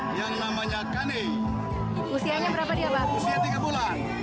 ini pengalaman dia yang pertama kali atau sebelumnya pernah